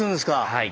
はい。